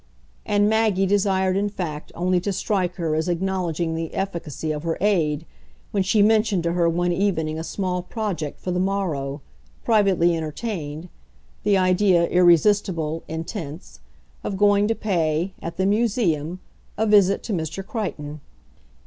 And Maggie desired in fact only to strike her as acknowledging the efficacy of her aid when she mentioned to her one evening a small project for the morrow, privately entertained the idea, irresistible, intense, of going to pay, at the Museum, a visit to Mr. Crichton.